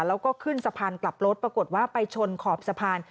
แล้วก็ขึ้นสะพานกลับรถปรากฏว่าไปชนขอบสะพาน